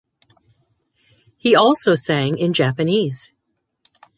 He also sang in Japanese.